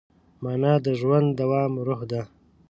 مانا د ژوند د دوام روح ده.